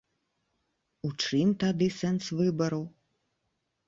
У чым тады сэнс выбараў?